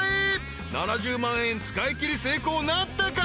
［７０万円使いきり成功なったか？］